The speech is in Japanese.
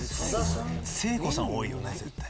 聖子さん多いよね絶対。